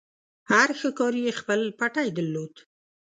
هر ښکاري خپل پټی درلود.